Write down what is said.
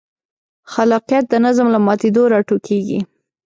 خلاقیت د نظم له ماتېدو راټوکېږي.